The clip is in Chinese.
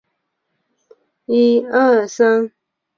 僖宗起崔安潜为检校右仆射。